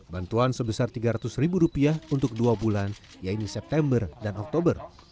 bantuan sebesar tiga ratus ribu rupiah untuk dua bulan yaitu september dan oktober